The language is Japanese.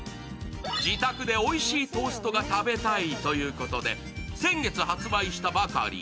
自宅でおいしいトーストが食べたいということで、先月発売したばかり。